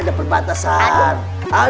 bedan permain melihat type l